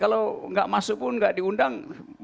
kalau tidak masuk pun tidak diundang